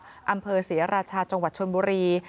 อำเภอศรีราชาจังหวัดชนบุรี